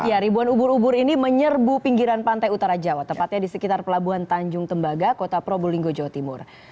ya ribuan ubur ubur ini menyerbu pinggiran pantai utara jawa tepatnya di sekitar pelabuhan tanjung tembaga kota probolinggo jawa timur